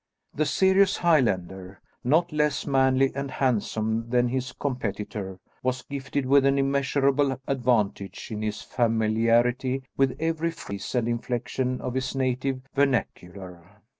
The serious Highlander, not less manly and handsome than his competitor, was gifted with an immeasurable advantage in his familiarity with every phase and inflection of his native vernacular.